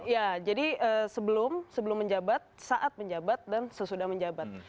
ya jadi sebelum sebelum menjabat saat menjabat dan sesudah menjabat